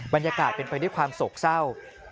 บรรยากาศเป็นไปด้วยความโศกเศร้า